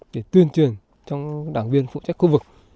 để tuyên truyền cho các đảng viên phụ trách khu vực